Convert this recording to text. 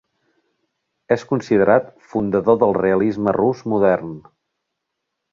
És considerat fundador del realisme rus modern.